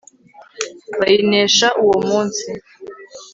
bayinesha uwo munsi